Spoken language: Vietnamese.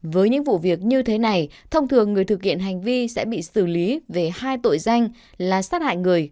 với những vụ việc như thế này thông thường người thực hiện hành vi sẽ bị xử lý về hai tội danh là sát hại người